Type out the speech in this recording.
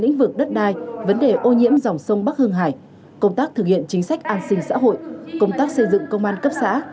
lĩnh vực đất đai vấn đề ô nhiễm dòng sông bắc hương hải công tác thực hiện chính sách an sinh xã hội công tác xây dựng công an cấp xã